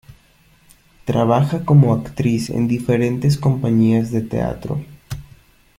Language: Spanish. Trabaja como actriz en diferentes compañías de teatro.